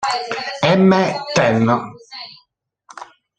M. ten.